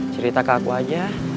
cerita ke aku aja